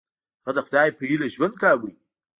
هغه د خدای په هیله ژوند کاوه.